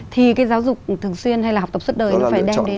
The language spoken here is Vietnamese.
thì cái giáo dục thường xuyên hay là học tập suốt đời nó phải đem đến